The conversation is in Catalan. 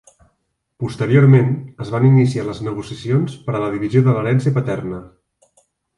Posteriorment, es van iniciar les negociacions per a la divisió de l'herència paterna.